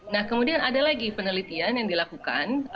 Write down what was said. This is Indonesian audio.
nah kemudian ada lagi penelitian yang dilakukan